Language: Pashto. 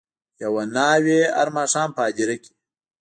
یوه ناوي هر ماښام په هدیره کي